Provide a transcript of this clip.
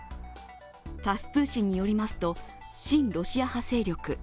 タス通信によりますと親ロシア派勢力